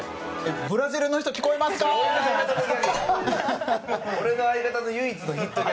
ブラジルの人聞こえますかー？